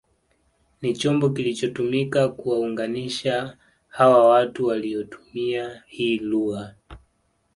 Ni chombo kilichotumika kuwaunganisha hawa watu waliotumia hii lugha